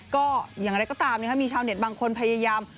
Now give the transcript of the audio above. ก็อย่างไรก็ตามนะครับมีชาวเน็ตบางคนพยายาม